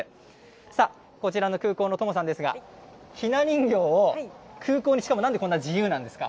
さあ、こちらの空港の友さんが、ひな人形を空港に、しかもなんでこんな自由なんですか。